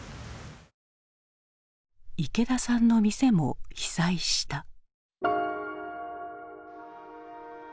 池田さんの店も被災した。